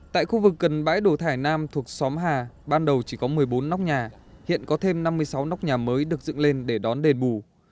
tại khu vực gần bãi đổ thải nam thuộc xóm hà ban đầu chỉ có một mươi bốn nóc nhà hiện có thêm năm mươi sáu nóc nhà mới được dựng lên để đón đề bù